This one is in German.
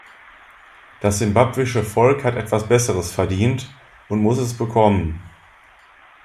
Das simbabwische Volk hat etwas Besseres verdient, und muss es bekommen.